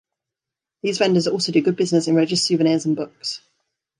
These vendors also do good business in religious Souvenirs and books.